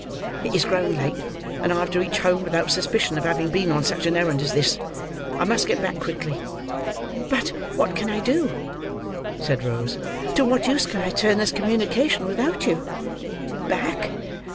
It is growing late, and I have to reach home without suspicion of having been on such an errand as this. I must get back quickly." "But what can I do?" said Rose. "To what use can I turn this communication without you? Back!